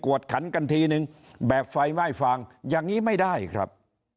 วดขันกันทีนึงแบบไฟไหม้ฟางอย่างนี้ไม่ได้ครับ